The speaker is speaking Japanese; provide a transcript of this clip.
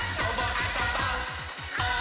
「あそぼー！」